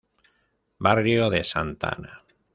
Barrio de Santa Ana